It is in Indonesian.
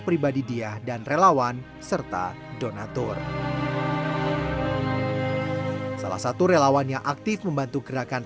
pribadi dia dan relawan serta donatur salah satu relawan yang aktif membantu gerakan